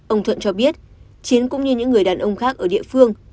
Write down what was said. ông thuận cho biết chiến cũng như những người đàn ông khác ở địa phương